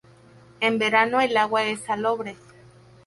En verano el agua es salobre.